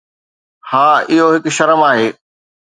ها، اهو هڪ شرم آهي